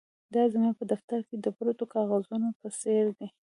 دا زما په دفتر کې د پرتو کاغذونو په څیر دي